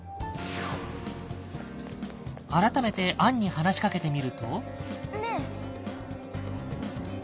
改めて杏に話しかけてみると。